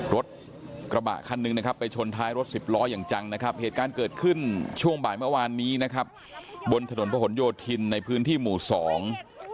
รถกระบะคันนึงนะครับไปชนท้ายรถ๑๐ร้อยอย่างจัง